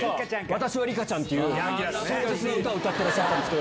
『私は里歌ちゃん』っていう。